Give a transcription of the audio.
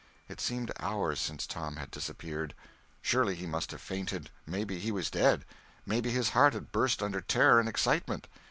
It seemed hours since Tom had disappeared. Surely he must have fainted; maybe he was dead; maybe his heart had burst under terror and excitement.